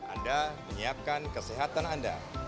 anda menyiapkan kesehatan anda